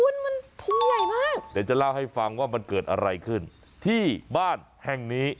เดี๋ยวจะเล่าให้ฟังว่ามันเกิดอะไรขึ้นที่บ้านแห่งนี้